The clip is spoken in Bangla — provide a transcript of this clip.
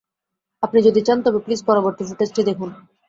আপনি যদি চান তবে প্লিজ পরবর্তী ফুটেজটি দেখুন।